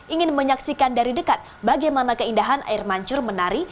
ingin menyaksikan dari dekat bagaimana keindahan air mancur menari